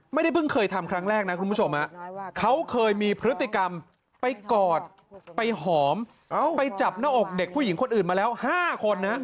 ไม่ได้เพิ่งเคยทำครั้งแรกนะคุณผู้ชมเขาเคยมีพฤติกรรมไปกอดไปหอมไปจับหน้าอกเด็กผู้หญิงคนอื่นมาแล้ว๕คนนะ